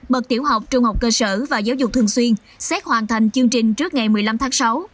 bậc tiểu học trung học cơ sở và giáo dục thường xuyên sẽ hoàn thành chương trình trước ngày một mươi năm tháng sáu